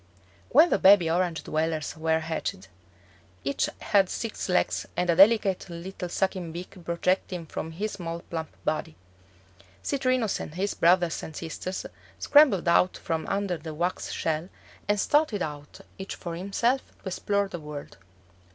When the baby Orange dwellers were hatched, each had six legs and a delicate little sucking beak projecting from his small plump body. Citrinus and his brothers and sisters scrambled out from under the wax shell and started out each for himself to explore the world.